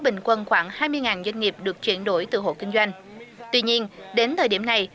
bình quân khoảng hai mươi doanh nghiệp được chuyển đổi từ hộ kinh doanh tuy nhiên đến thời điểm này